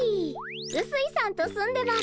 うすいさんと住んでます。